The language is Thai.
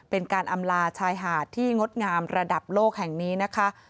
เป็นการอำลาชายหาดที่งดงามระดับโลกแห่งนี้นะคะ